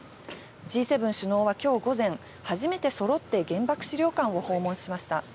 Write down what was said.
Ｇ７首脳はきょう午前、初めてそろって原爆資料館を訪問しました。